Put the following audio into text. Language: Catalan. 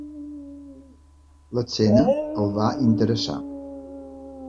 L'escena el va interessar.